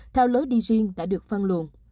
theo lối đi riêng đã được phân luận